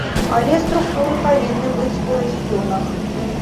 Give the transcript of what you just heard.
Але структуры павінны быць у рэгіёнах.